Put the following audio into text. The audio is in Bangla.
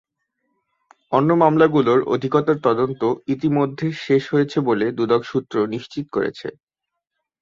অন্য মামলাগুলোর অধিকতর তদন্ত ইতিমধ্যে শেষ হয়েছে বলে দুদক সূত্র নিশ্চিত করেছে।